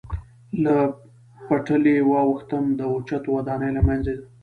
له پټلۍ واوښتم، د اوچتو ودانیو له منځه.